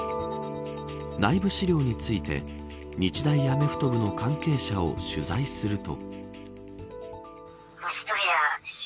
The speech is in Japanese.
内部資料について日大アメフト部の関係者を取材すると。